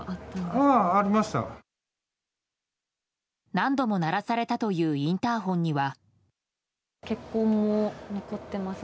何度も鳴らされたというインターホンには。